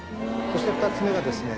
そして２つ目がですね